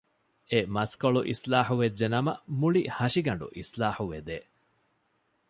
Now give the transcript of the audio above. އެ މަސްކޮޅު އިސްލާޙު ވެއްޖެ ނަމަ މުޅި ހަށިގަނޑު އިސްލާޙު ވެދޭ